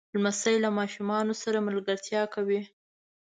لمسی له ماشومانو سره ملګرتیا کوي.